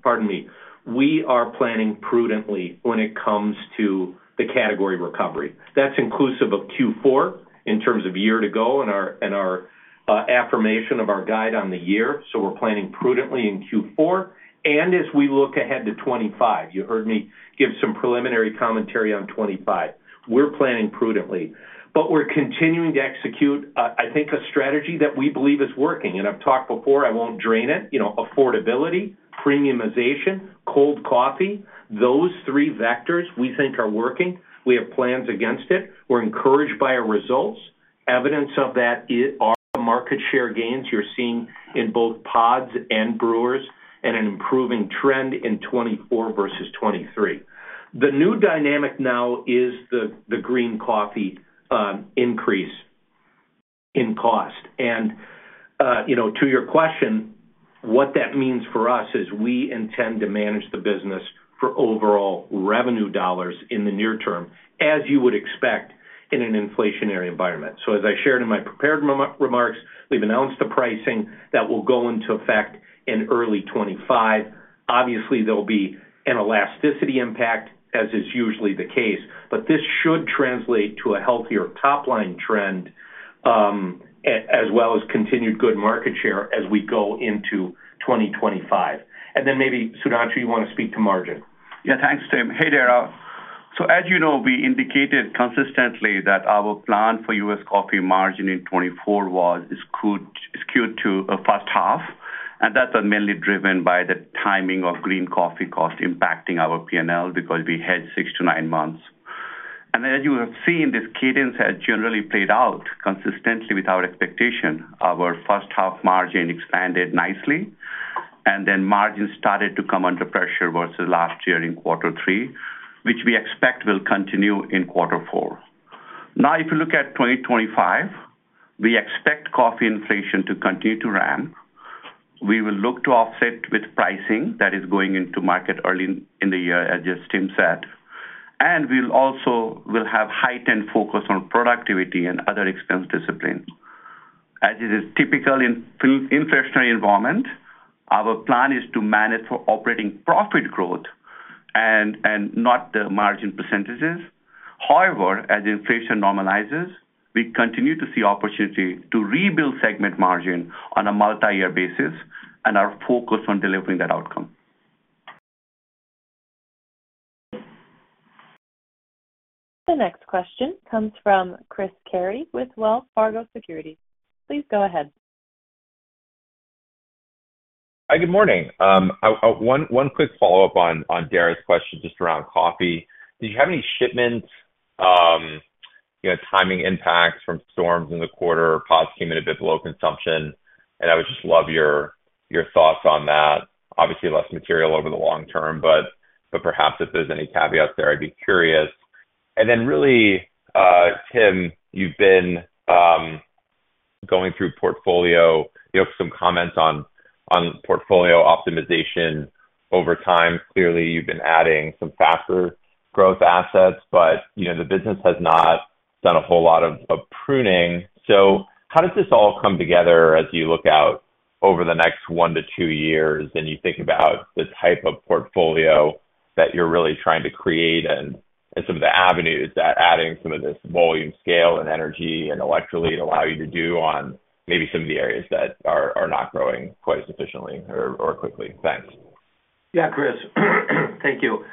pardon me, we are planning prudently when it comes to the category recovery. That's inclusive of Q4 in terms of year-to-date and our affirmation of our guide on the year. So we're planning prudently in Q4, and as we look ahead to 2025. You heard me give some preliminary commentary on 2025. We're planning prudently, but we're continuing to execute, I think, a strategy that we believe is working, and I've talked before, I won't drone on it. You know, affordability, premiumization, cold coffee, those three vectors we think are working. We have plans against it. We're encouraged by our results. Evidence of that is the market share gains you're seeing in both pods and brewers, and an improving trend in 2024 versus 2023. The new dynamic now is the green coffee increase in cost. And, you know, to your question, what that means for us is we intend to manage the business for overall revenue dollars in the near term, as you would expect in an inflationary environment. So as I shared in my prepared remarks, we've announced the pricing that will go into effect in early 2025. Obviously, there'll be an elasticity impact, as is usually the case, but this should translate to a healthier top-line trend, as well as continued good market share as we go into 2025. And then maybe, Sudhanshu, you want to speak to margin? Yeah, thanks, Tim. Hey there. So as you know, we indicated consistently that our plan for U.S. coffee margin in 2024 was skewed to a first half, and that's mainly driven by the timing of green coffee cost impacting our PNL because we had six to nine months. And as you have seen, this cadence has generally played out consistently with our expectation. Our first half margin expanded nicely, and then margin started to come under pressure versus last year in quarter three, which we expect will continue in quarter four. Now, if you look at 2025, we expect coffee inflation to continue to ramp. We will look to offset with pricing that is going into market early in the year, as just Tim said, and we'll also have heightened focus on productivity and other expense discipline. As it is typical in an inflationary environment, our plan is to manage for operating profit growth and not the margin percentages. However, as inflation normalizes, we continue to see opportunity to rebuild segment margin on a multi-year basis and are focused on delivering that outcome. The next question comes from Chris Carey with Wells Fargo Security. Please go ahead. Hi, good morning. One quick follow-up on Dara's question just around coffee. Did you have any shipments, you know, timing impacts from storms in the quarter? Pods came in a bit below consumption, and I would just love your thoughts on that. Obviously, less material over the long term, but perhaps if there's any caveats there, I'd be curious. And then really, Tim, you've been going through portfolio. You have some comments on portfolio optimization over time. Clearly, you've been adding some faster growth assets, but, you know, the business has not done a whole lot of pruning. How does this all come together as you look out over the next one to two years, and you think about the type of portfolio that you're really trying to create and some of the avenues that adding some of this volume, scale, and energy intellectually allow you to do on maybe some of the areas that are not growing quite as efficiently or quickly? Thanks. Yeah, Chris, thank you.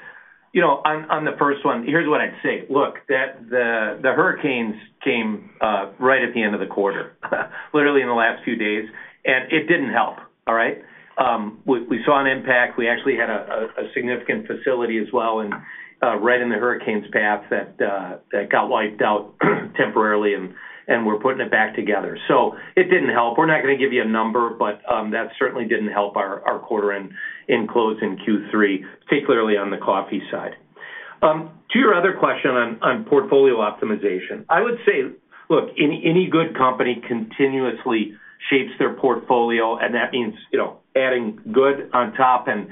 You know, on the first one, here's what I'd say: Look, the hurricanes came right at the end of the quarter, literally in the last few days, and it didn't help. All right? We saw an impact. We actually had a significant facility as well, and right in the hurricane's path that got wiped out temporarily, and we're putting it back together. So it didn't help. We're not gonna give you a number, but that certainly didn't help our quarter in closing Q3, particularly on the coffee side. To your other question on portfolio optimization, I would say, look, any good company continuously shapes their portfolio, and that means, you know, adding good on top and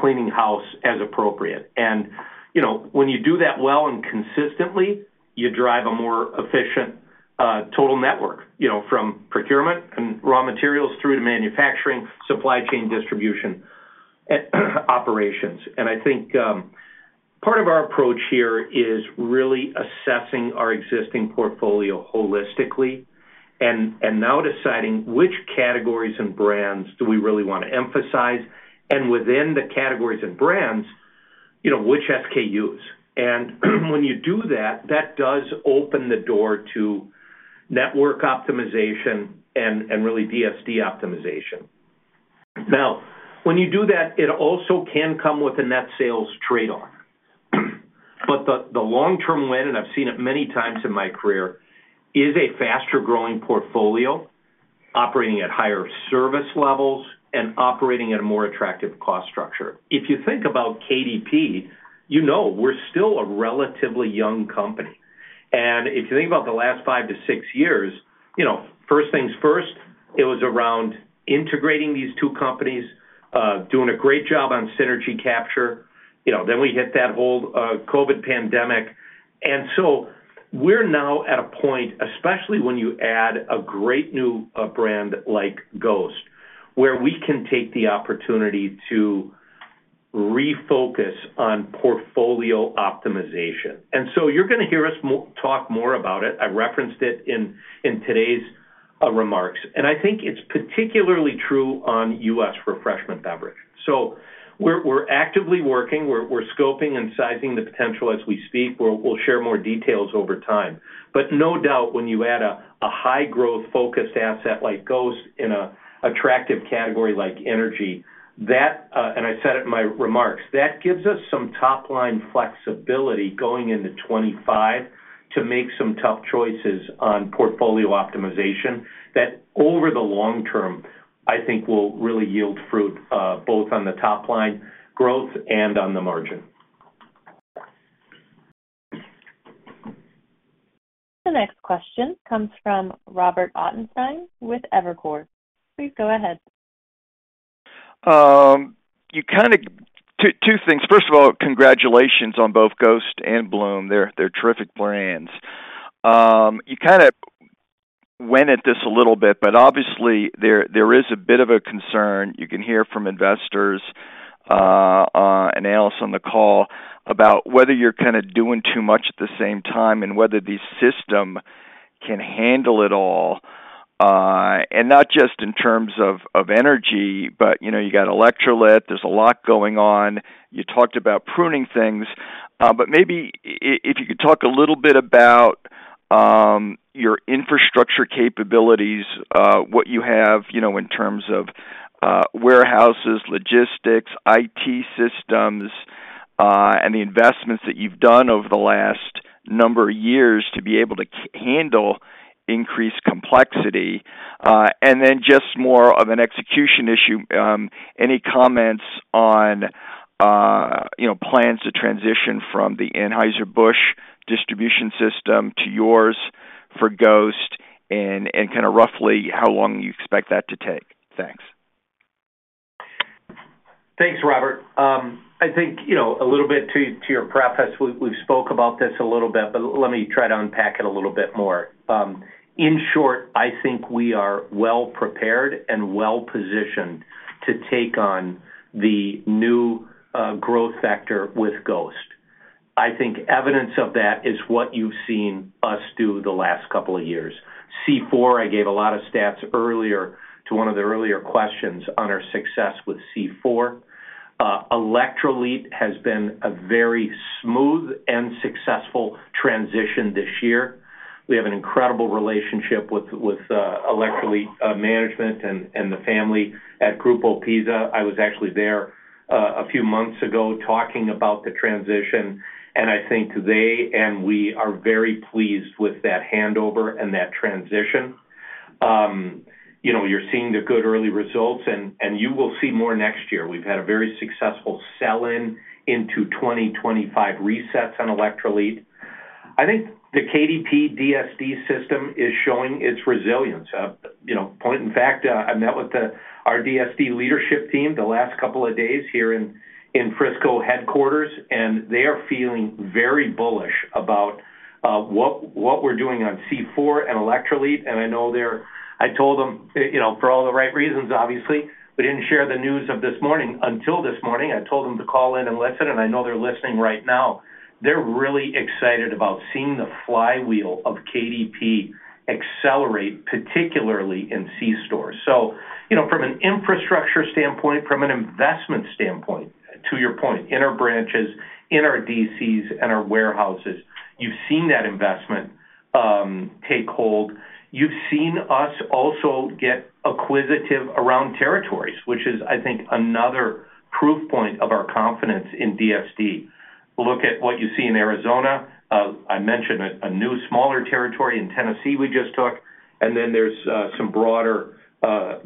cleaning house as appropriate. You know, when you do that well and consistently, you drive a more efficient total network, you know, from procurement and raw materials through to manufacturing, supply chain, distribution, and operations. I think part of our approach here is really assessing our existing portfolio holistically and now deciding which categories and brands do we really want to emphasize, and within the categories and brands, you know, which SKUs. When you do that, that does open the door to network optimization and really DSD optimization. Now, when you do that, it also can come with a net sales trade-off. But the long-term win, and I've seen it many times in my career, is a faster-growing portfolio, operating at higher service levels and operating at a more attractive cost structure. If you think about KDP, you know we're still a relatively young company. And if you think about the last five to six years, you know, first things first, it was around integrating these two companies, doing a great job on synergy capture. You know, then we hit that whole COVID pandemic. And so we're now at a point, especially when you add a great new brand like Ghost, where we can take the opportunity to refocus on portfolio optimization. And so you're gonna hear us talk more about it. I referenced it in today's remarks, and I think it's particularly true on U.S. refreshment beverage. So we're actively working, scoping and sizing the potential as we speak. We'll share more details over time. But no doubt, when you add a high-growth, focused asset like Ghost in a attractive category like energy, that, and I said it in my remarks, that gives us some top-line flexibility going into 2025 to make some tough choices on portfolio optimization, that over the long term, I think will really yield fruit, both on the top line growth and on the margin. The next question comes from Robert Ottenstein with Evercore. Please go ahead. Two things. First of all, congratulations on both Ghost and Bloom. They're terrific brands. You kind of went at this a little bit, but obviously, there is a bit of a concern. You can hear from investors and analysts on the call about whether you're kind of doing too much at the same time, and whether the system can handle it all and not just in terms of energy, but you know, you got Electrolit. There's a lot going on. You talked about pruning things, but maybe if you could talk a little bit about your infrastructure capabilities, what you have, you know, in terms of warehouses, logistics, IT systems, and the investments that you've done over the last number of years to be able to handle increased complexity. And then just more of an execution issue, any comments on, you know, plans to transition from the Anheuser-Busch distribution system to yours for Ghost and kind of roughly how long you expect that to take? Thanks. Thanks, Robert. I think, you know, a little bit to your preface, we've spoke about this a little bit, but let me try to unpack it a little bit more. In short, I think we are well prepared and well positioned to take on the new growth factor with Ghost. I think evidence of that is what you've seen us do the last couple of years. C4, I gave a lot of stats earlier to one of the earlier questions on our success with C4. Electrolit has been a very smooth and successful transition this year. We have an incredible relationship with Electrolit management and the family at Grupo PiSA. I was actually there a few months ago talking about the transition, and I think they and we are very pleased with that handover and that transition. You know, you're seeing the good early results, and you will see more next year. We've had a very successful sell-in into 2025 resets on Electrolit. I think the KDP DSD system is showing its resilience. You know, point in fact, I met with our DSD leadership team the last couple of days here in Frisco headquarters, and they are feeling very bullish about what we're doing on C4 and Electrolit, and I know they're. I told them, you know, for all the right reasons, obviously, we didn't share the news of this morning until this morning. I told them to call in and listen, and I know they're listening right now. They're really excited about seeing the flywheel of KDP accelerate, particularly in C stores. So, you know, from an infrastructure standpoint, from an investment standpoint, to your point, in our branches, in our DCs and our warehouses, you've seen that investment take hold. You've seen us also get acquisitive around territories, which is, I think, another proof point of our confidence in DSD. Look at what you see in Arizona. I mentioned a new, smaller territory in Tennessee we just took, and then there's some broader,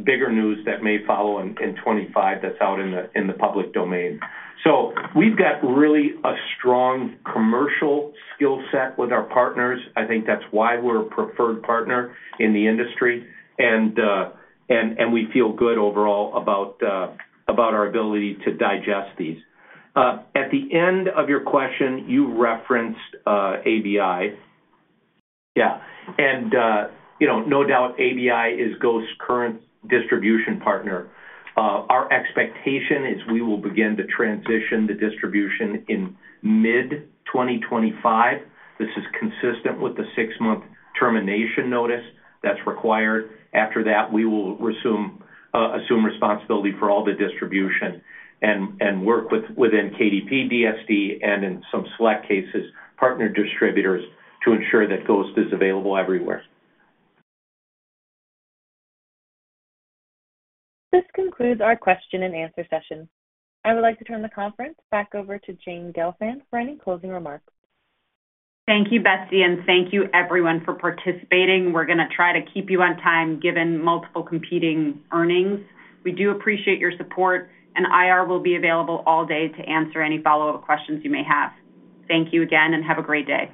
bigger news that may follow in 2025 that's out in the public domain. So we've got really a strong commercial skill set with our partners. I think that's why we're a preferred partner in the industry, and we feel good overall about our ability to digest these. At the end of your question, you referenced ABI. Yeah, and you know, no doubt ABI is Ghost's current distribution partner. Our expectation is we will begin to transition the distribution in mid-2025. This is consistent with the six-month termination notice that's required. After that, we will assume responsibility for all the distribution and work within KDP, DSD, and in some select cases, partner distributors, to ensure that Ghost is available everywhere. This concludes our question and answer session. I would like to turn the conference back over to Jane Gelfand for any closing remarks. Thank you, Betsy, and thank you everyone for participating. We're gonna try to keep you on time, given multiple competing earnings. We do appreciate your support, and IR will be available all day to answer any follow-up questions you may have. Thank you again, and have a great day.